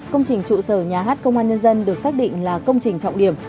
công trình trụ sở nhà hát công an nhân dân được xác định là công trình trọng điểm